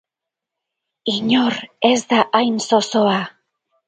Inor ez da hain zozoa.